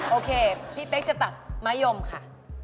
โอเคพี่เป๊กจะตัดมะยมค่ะ